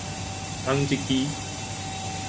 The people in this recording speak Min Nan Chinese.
紡織機